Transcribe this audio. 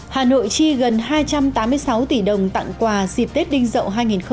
hà nội chi gần hai trăm tám mươi sáu tỷ đồng tặng quà dịp tết đinh dậu hai nghìn hai mươi